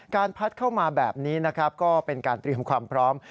การพัดเข้ามาแบบนี้ก็เป็นการเตรียมความพร้อม